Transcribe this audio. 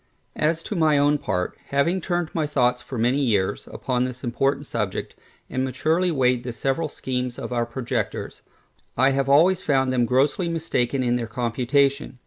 As to my own part, having turned my thoughts for many years upon this important subject, and maturely weighed the several schemes of our projectors, I have always found them grossly mistaken in their computation.